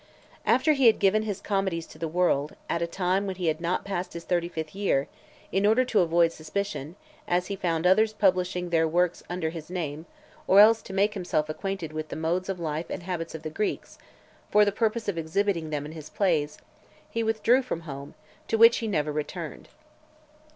After he had given his comedies to the world, at a time when he had not passed his thirty fifth year, in order to avoid suspicion, as he found others publishing their works under his name, or else to make himself acquainted with the modes of life and habits of the Greeks, for the purpose of exhibiting them in his plays, he withdrew from home, to which he never returned.